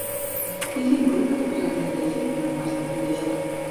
I figura que parlem de llegir, no pas de fullejar.